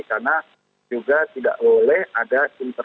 karena juga tidak boleh ada